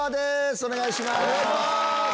お願いします！